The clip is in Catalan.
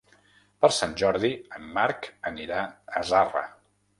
Per Sant Jordi en Marc anirà a Zarra.